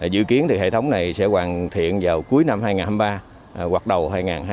dự kiến hệ thống này sẽ hoàn thiện vào cuối năm hai nghìn hai mươi ba hoặc đầu hai nghìn hai mươi bốn